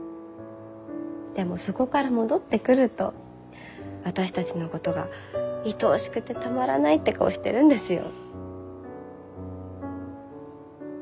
でもそこから戻ってくると私たちのことがいとおしくてたまらないって顔してるんですよ。